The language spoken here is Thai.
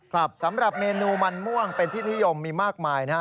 ครับสำหรับเมนูมันม่วงเป็นที่นิยมมีมากมายนะฮะ